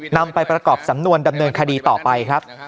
ทำให้ประกอบสำนวนดำเนินคดีต่อไป